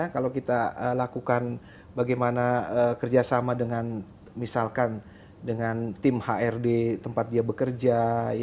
kalau kita lakukan bagaimana kerjasama dengan misalkan dengan tim hrd tempat dia bekerja